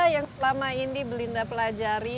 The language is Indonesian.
yang selama ini belinda pelajari